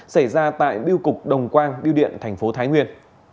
xảy ra tại biêu cục đồng quang biêu điện thành phố thái nguyên